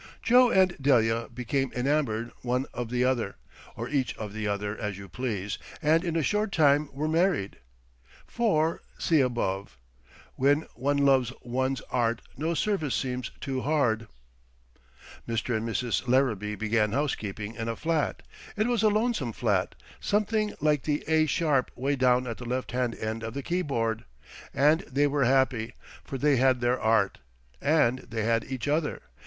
Joe and Delia became enamoured one of the other, or each of the other, as you please, and in a short time were married—for (see above), when one loves one's Art no service seems too hard. Mr. and Mrs. Larrabee began housekeeping in a flat. It was a lonesome flat—something like the A sharp way down at the left hand end of the keyboard. And they were happy; for they had their Art, and they had each other.